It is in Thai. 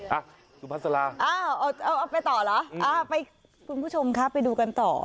อ่ะสุพัฒนาเอาไปต่อเหรอไปคุณผู้ชมครับไปดูกันต่อ